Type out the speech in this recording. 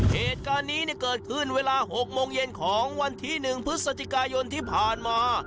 เหตุการณ์นี้เกิดขึ้นเวลา๖โมงเย็นของวันที่๑พฤศจิกายนที่ผ่านมา